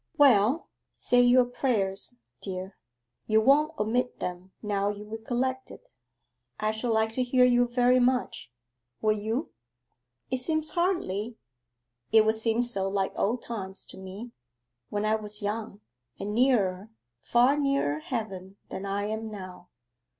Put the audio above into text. Well, say your prayers, dear you won't omit them now you recollect it. I should like to hear you very much. Will you?' 'It seems hardly ' 'It would seem so like old times to me when I was young, and nearer far nearer Heaven than I am now.